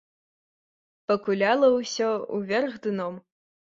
Пакуляла ўсё ўверх дном.